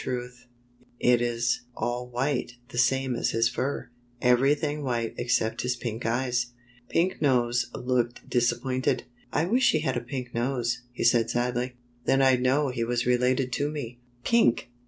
68 The Work of Shrike the Butcher Bird " It is all white, the same as his fur — every thing white except his pink eyes." Pink Nose looked disappointed. ''I wish he had a pink nose," he said sadly. " Then I'd know he was related to me." ''Pink!